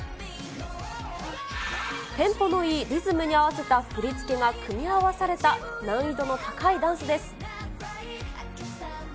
テンポのいいリズムに合わせた振り付けが組み合わされた難易度の高いダンスです。